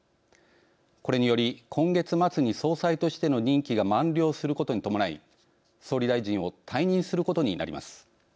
これにより今月末に総裁としての任期が満了することに伴い総理大臣を退任することになります。